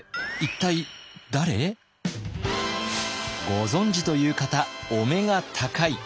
ご存じという方お目が高い！